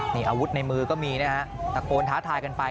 นี่อาวุธในมือก็มีนะฮะตะโกนท้าทายกันไป